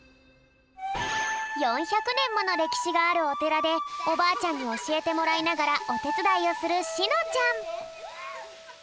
４００ねんものれきしがあるおてらでおばあちゃんにおしえてもらいながらおてつだいをするしのちゃん。